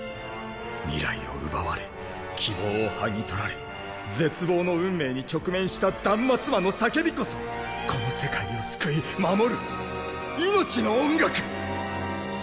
未来を奪われ希望をはぎ取られ絶望の運命に直面した断末魔の叫びこそこの世界を救い守る命の音楽！